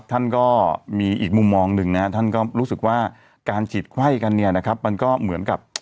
ท่านก็มีอีกมุมมองหนึ่งนะท่านก็รู้สึกว่าการฉีดไข้กันเนี่ยนะครับมันก็เหมือนกับ